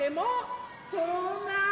そんな。